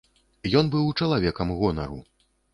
Ён быў чалавекам гонару.